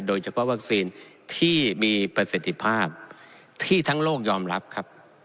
โดยเฉพาะวัคซีนที่มีประสิทธิภาพที่ทั้งโลกยอมรับครับ